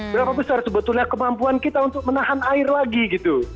berapa besar sebetulnya kemampuan kita untuk menahan air lagi gitu